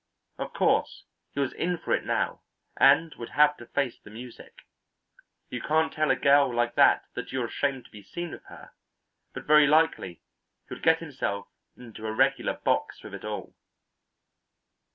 Of course he was in for it now, and would have to face the music. You can't tell a girl like that that you're ashamed to be seen with her, but very likely he would get himself into a regular box with it all.